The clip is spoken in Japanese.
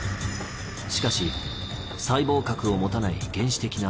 しかし細胞核を持たない原始的な